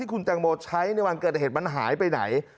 คุณแตงโมใช้ในวันเกิดเหตุมันหายไปไหน